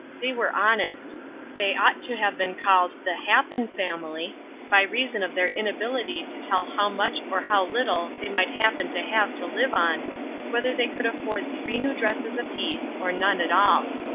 They were honest. They ought to have been called "the happen family," by reason of their inability to tell how much or how little they might happen to have to live on, whether they could afford three new dresses apiece or none at all.